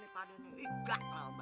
tahu ini pada bubar